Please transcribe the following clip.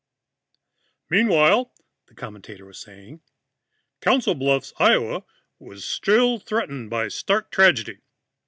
"Meanwhile," the commentator was saying, "Council Bluffs, Iowa, was still threatened by stark tragedy.